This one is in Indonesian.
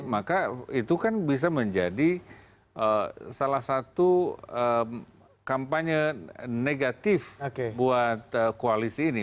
maka itu kan bisa menjadi salah satu kampanye negatif buat koalisi ini